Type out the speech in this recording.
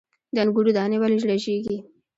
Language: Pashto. د انګورو دانې ولې رژیږي؟